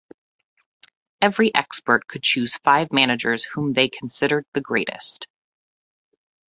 Every expert could choose five managers whom they considered the greatest.